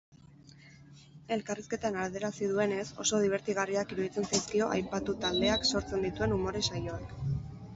Elkarrizketan adierazi duenez, oso dibertigarriak iruditzen zaizkio aipatu taldeak sortzen dituen umore-saioak.